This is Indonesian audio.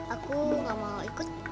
aku gak mau ikut